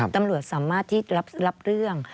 ตำรวจสามารถที่รับเรื่อง